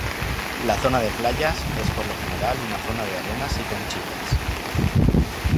La zona de playas, es por lo general una zona de arenas y conchillas.